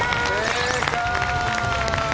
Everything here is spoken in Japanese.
正解。